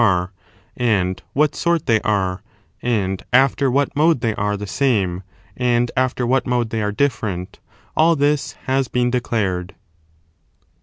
[bOOE XL and what sort they are, and after what mode they are the same, and after what mode they are different, all this has been declared.